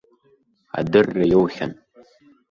Адырра иоухьан.